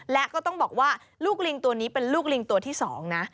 และก็ต้องบอกว่าลูกลิงตัวนี้เป็นลูกลิงตัวที่๒นะ